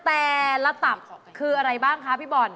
แต่ละตับคืออะไรบ้างคะพี่บอล